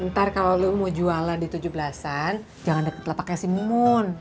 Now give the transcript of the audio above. ntar kalo lo mau jualan di tujuh belasan jangan deket lepaknya si mumun